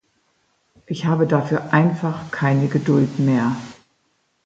Ich habe dafür einfach keine Geduld mehr.